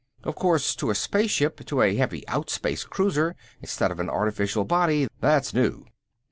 Of course, to a spaceship, to a heavy outspace cruiser, instead of an artificial body, that's new."